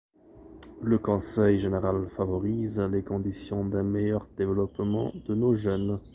Le Conseil général favorise les conditions d’un meilleur développement de nos jeunes.